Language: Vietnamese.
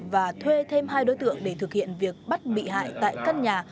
và thuê thêm hai đối tượng để thực hiện việc bắt bị hại tại căn nhà